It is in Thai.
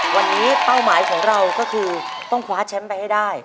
วันนี้เป้าหมายของเราก็คือต้องคว้าแชมป์ไปให้ได้